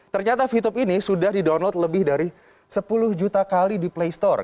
ternyata vtube ini sudah di download lebih dari sepuluh juta kali di playstore